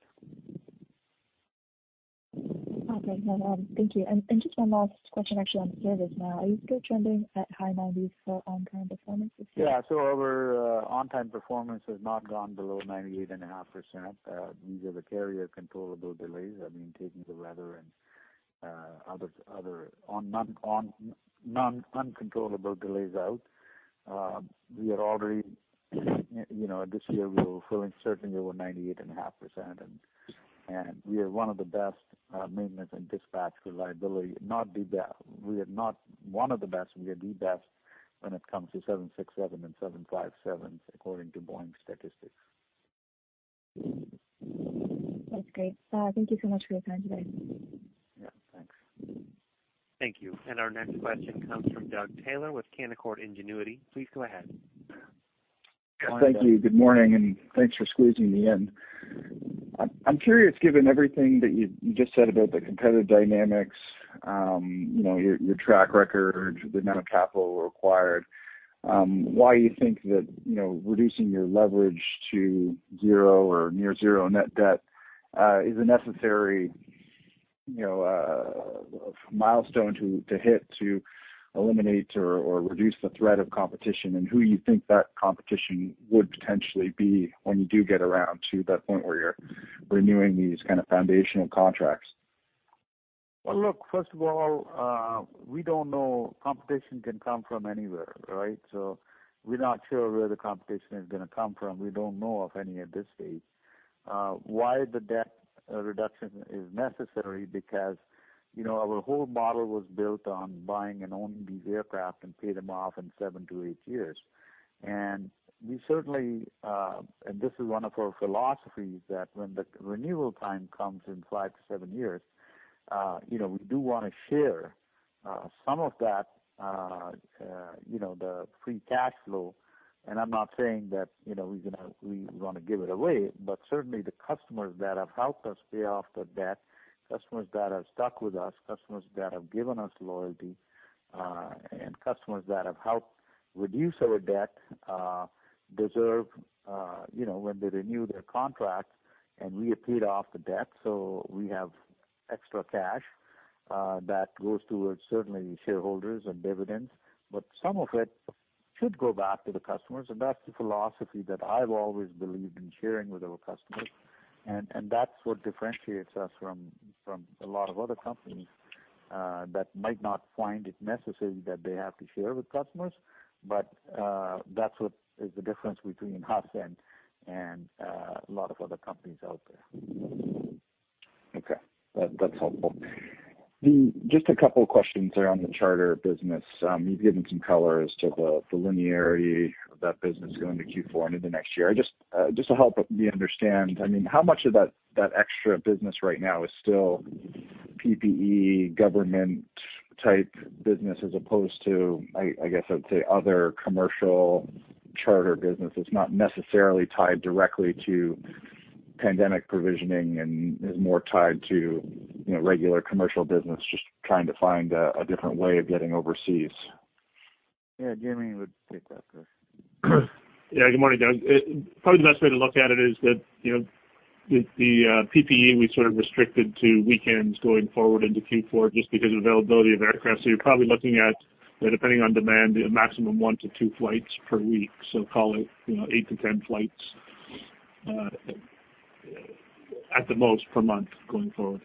Okay. No, thank you. Just one last question actually on service now. Are you still trending at high 90s for on-time performance this year? Our on-time performance has not gone below 98.5%. These are the carrier controllable delays. Taking the weather and other non-controllable delays out. This year, we were certainly over 98.5%, and we are one of the best maintenance and dispatch reliability. We are not one of the best, we are the best when it comes to 767 and 757s according to Boeing statistics. That's great. Thank you so much for your time today. Yeah. Thanks. Thank you. Our next question comes from Doug Taylor with Canaccord Genuity. Please go ahead. Good morning, Doug. Thank you. Good morning, and thanks for squeezing me in. I'm curious, given everything that you just said about the competitive dynamics, your track record, the amount of capital required, why you think that reducing your leverage to zero or near zero net debt is a necessary milestone to hit to eliminate or reduce the threat of competition, and who you think that competition would potentially be when you do get around to that point where you're renewing these kind of foundational contracts? Well, look, first of all, we don't know. Competition can come from anywhere, right? We're not sure where the competition is going to come from. We don't know of any at this stage. Why the debt reduction is necessary? Our whole model was built on buying and owning these aircraft and pay them off in seven to eight years. We certainly, and this is one of our philosophies, that when the renewal time comes in five to seven years, we do want to share some of that free cash flow. I'm not saying that we want to give it away, but certainly the customers that have helped us pay off the debt, customers that have stuck with us, customers that have given us loyalty, and customers that have helped reduce our debt deserve, when they renew their contract and we have paid off the debt, so we have extra cash that goes towards certainly shareholders and dividends. Some of it should go back to the customers, and that's the philosophy that I've always believed in sharing with our customers. That's what differentiates us from a lot of other companies that might not find it necessary that they have to share with customers. That's what is the difference between us and a lot of other companies out there. Okay. That's helpful. Just a couple of questions around the charter business. You've given some color as to the linearity of that business going to Q4 into next year. Just to help me understand, how much of that extra business right now is still PPE government type business as opposed to, I guess I would say, other commercial charter business that's not necessarily tied directly to pandemic provisioning and is more tied to regular commercial business, just trying to find a different way of getting overseas? Yeah. Jamie would take that. Yeah. Good morning, Doug. Probably the best way to look at it is that the PPE we restricted to weekends going forward into Q4 just because of availability of aircraft. You're probably looking at, depending on demand, a maximum one to two flights per week. Call it 8-10 flights at the most per month going forward.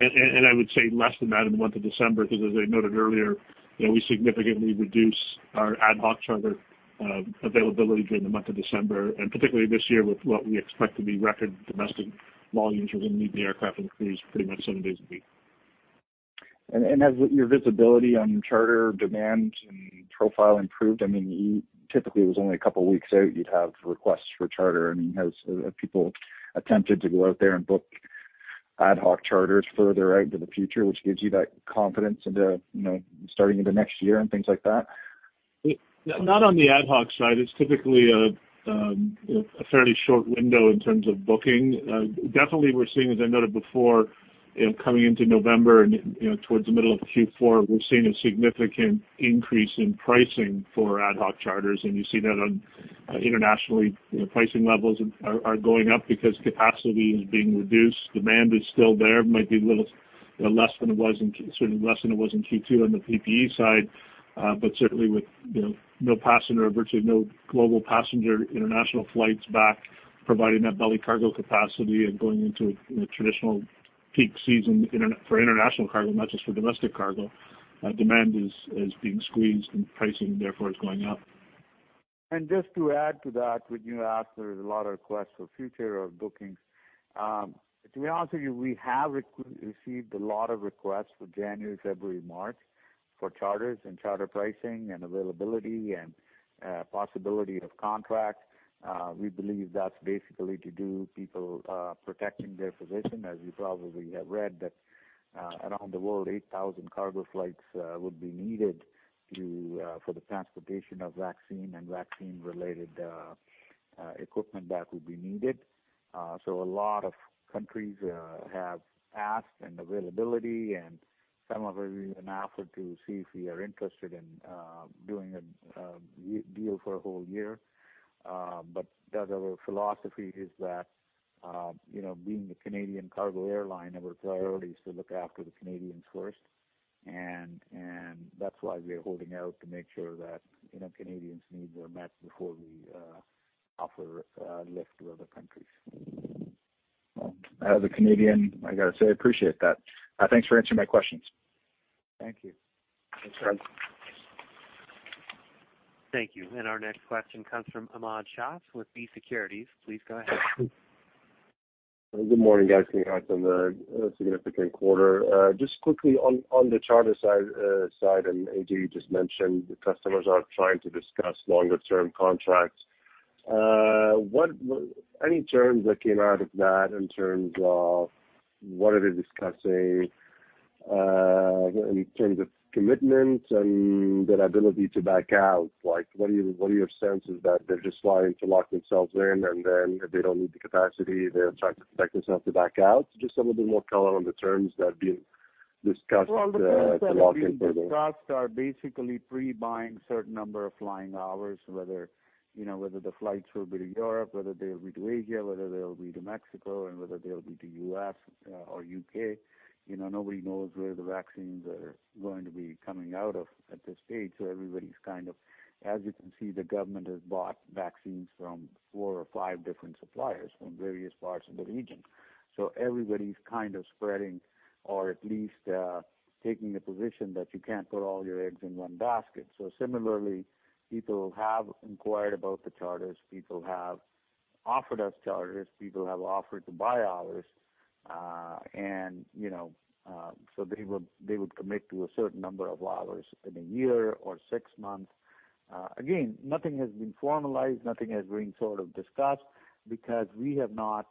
I would say less than that in the month of December, because as I noted earlier, we significantly reduce our ad hoc charter availability during the month of December, and particularly this year with what we expect to be record domestic volumes. We're going to need the aircraft and the crews pretty much seven days a week. Has your visibility on charter demand and profile improved? Typically, it was only a couple of weeks out, you'd have requests for charter. Have people attempted to go out there and book ad hoc charters further out into the future, which gives you that confidence into starting into next year and things like that? Not on the ad hoc side. It's typically a fairly short window in terms of booking. Definitely we're seeing, as I noted before, coming into November and towards the middle of Q4, we're seeing a significant increase in pricing for ad hoc charters, and you see that internationally pricing levels are going up because capacity is being reduced. Demand is still there. Might be a little less than it was in Q2 on the PPE side. Certainly with no passenger, virtually no global passenger international flights back, providing that belly cargo capacity and going into traditional peak season for international cargo, not just for domestic cargo, demand is being squeezed and pricing therefore is going up. Just to add to that, when you asked there is a lot of requests for future of bookings. To be honest with you, we have received a lot of requests for January, February, March for charters and charter pricing and availability and possibility of contract. We believe that's basically to do people protecting their position, as you probably have read that around the world, 8,000 cargo flights would be needed for the transportation of vaccine and vaccine related equipment that would be needed. A lot of countries have asked and availability and some of them even offered to see if we are interested in doing a deal for a whole year. Our philosophy is that being a Canadian cargo airline, our priority is to look after the Canadians first. That's why we are holding out to make sure that Canadians need their meds before we offer a lift to other countries. Well, as a Canadian, I got to say, I appreciate that. Thanks for answering my questions. Thank you. Thanks. Thank you. Our next question comes from Ahmad Shaath with B Securities. Please go ahead. Good morning, guys. Congrats on the significant quarter. Just quickly on the charter side, and Ajay just mentioned the customers are trying to discuss longer term contracts. Any terms that came out of that in terms of what are they discussing in terms of commitment and their ability to back out? What are your senses that they're just trying to lock themselves in and then if they don't need the capacity, they're trying to protect themselves to back out? Just a little bit more color on the terms that are being discussed to lock in. Well, the terms that are being discussed are basically pre-buying certain number of flying hours, whether the flights will be to Europe, whether they'll be to Asia, whether they'll be to Mexico, and whether they'll be to U.S. or U.K. Nobody knows where the vaccines are going to be coming out of at this stage. Everybody's kind of, as you can see, the government has bought vaccines from four or five different suppliers from various parts of the region. Everybody's kind of spreading or at least taking the position that you can't put all your eggs in one basket. Similarly, people have inquired about the charters. People have offered us charters. People have offered to buy ours. They would commit to a certain number of hours in a year or six months. Again, nothing has been formalized, nothing has been discussed because we have not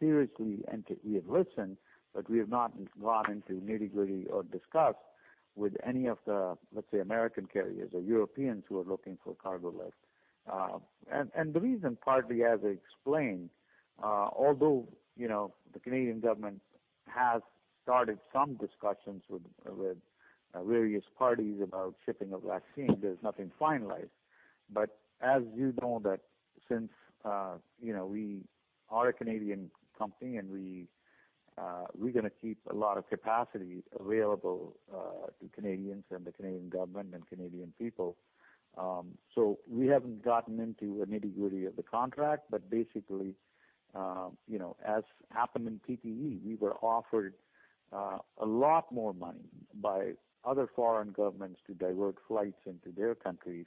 seriously entered. We have listened, but we have not gone into nitty-gritty or discussed with any of the, let's say, American carriers or Europeans who are looking for cargo lifts. The reason partly, as I explained, although the Canadian government has started some discussions with various parties about shipping of vaccines, there's nothing finalized. As you know that since we are a Canadian company, and we're going to keep a lot of capacity available to Canadians and the Canadian government and Canadian people. We haven't gotten into the nitty-gritty of the contract. Basically, as happened in PPE, we were offered a lot more money by other foreign governments to divert flights into their countries,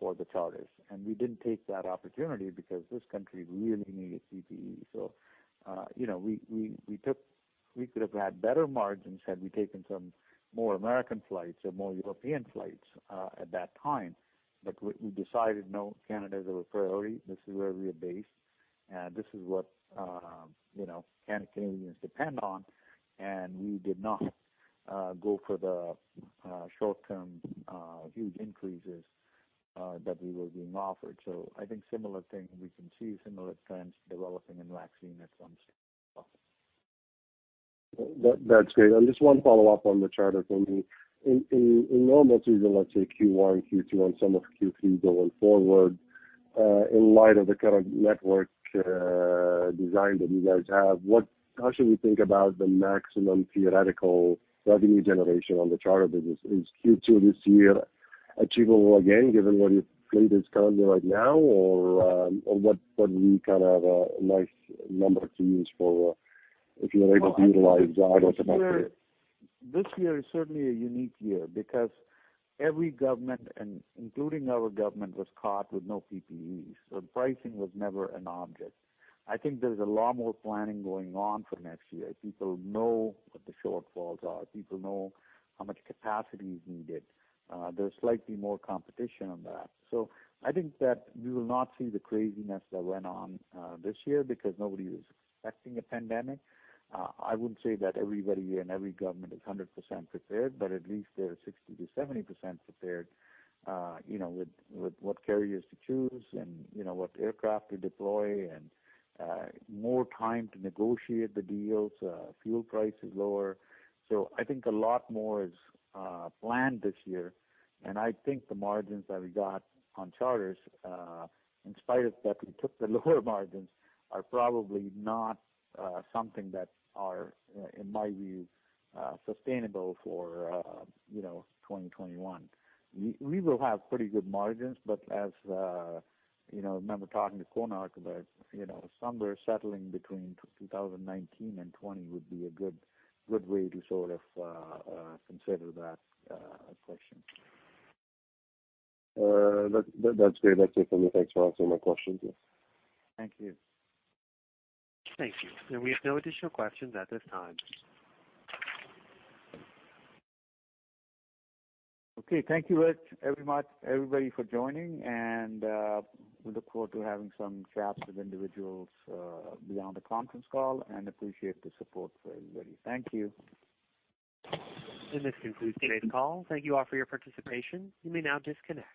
for the charters. We didn't take that opportunity because this country really needed PPE. We could have had better margins had we taken some more American flights or more European flights at that time. We decided, no, Canada is a priority. This is where we are based, and this is what Canadians depend on. We did not go for the short-term huge increases that we were being offered. I think similar thing, we can see similar trends developing in vaccine at some stage as well. That's great. Just one follow-up on the charter thing. In normal season, let's say Q1, Q2, and some of Q3 going forward, in light of the kind of network design that you guys have, how should we think about the maximum theoretical revenue generation on the charter business? Is Q2 this year achievable again, given what your fleet is currently right now? What would be a nice number to use for if you were able to utilize out of the network? This year is certainly a unique year because every government, including our government, was caught with no PPE. Pricing was never an object. I think there's a lot more planning going on for next year. People know what the shortfalls are. People know how much capacity is needed. There's slightly more competition on that. I think that we will not see the craziness that went on this year because nobody was expecting a pandemic. I wouldn't say that everybody and every government is 100% prepared, but at least they're 60%-70% prepared, with what carriers to choose and what aircraft to deploy, and more time to negotiate the deals. Fuel price is lower. I think a lot more is planned this year. I think the margins that we got on charters, in spite of that we took the lower margins, are probably not something that are, in my view, sustainable for 2021. We will have pretty good margins. As I remember talking to Konark about somewhere settling between 2019 and 2020 would be a good way to sort of consider that question. That's great. That's it for me. Thanks for answering my questions. Thank you. Thank you. We have no additional questions at this time. Okay. Thank you very much, everybody for joining. We look forward to having some chats with individuals beyond the conference call and appreciate the support for everybody. Thank you. This concludes today's call. Thank you all for your participation. You may now disconnect.